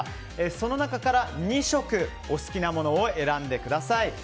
その中から２色お好きなものを選んでください。